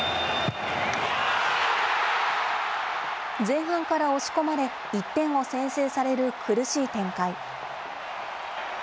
前半から押し込まれ、１点を先制される苦しい展開。